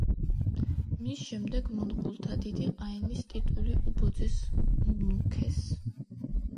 მის შემდეგ მონღოლთა დიდი ყაენის ტიტული უბოძეს მუნქეს.